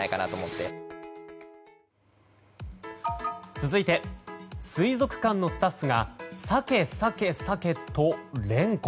続いて水族館のスタッフがサケ、サケ、サケと連呼。